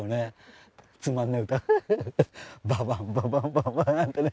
「ババンババンバンバン」なんてね。